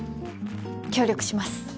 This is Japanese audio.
協力します。